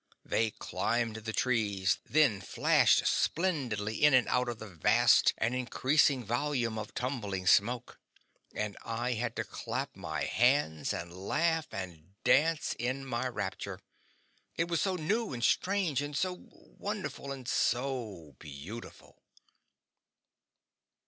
They climbed the trees, then flashed splendidly in and out of the vast and increasing volume of tumbling smoke, and I had to clap my hands and laugh and dance in my rapture, it was so new and strange and so wonderful and so beautiful!